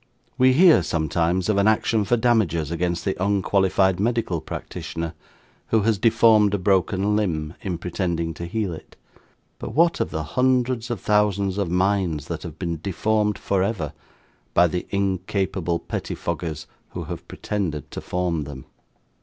We hear sometimes of an action for damages against the unqualified medical practitioner, who has deformed a broken limb in pretending to heal it. But, what of the hundreds of thousands of minds that have been deformed for ever by the incapable pettifoggers who have pretended to form them!